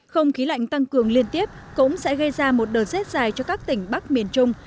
không khí lạnh tăng cường liên tiếp cũng sẽ gây ra một đợt rét dài cho các tỉnh bắc miền trung